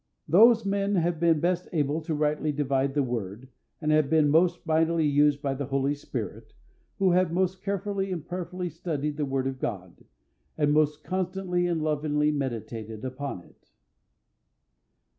Those men have been best able to rightly divide the word, and have been most mightily used by the Holy Spirit, who have most carefully and prayerfully studied the word of God, and most constantly and lovingly meditated upon it.